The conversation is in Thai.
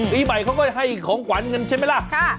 ปีใหม่เขาก็ให้ของขวัญกันใช่ไหมล่ะ